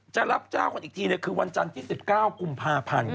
จะรับเจ้าคนอีกทีเนี่ยคือวันจันที่๑๙กุมภาพันธุ์